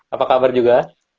apa kabar juga